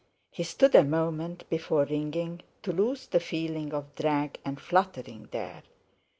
He stood a moment, before ringing, to lose the feeling of drag and fluttering there.